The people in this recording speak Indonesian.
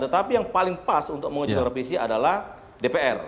tetapi yang paling pas untuk mengejut revisi adalah dpr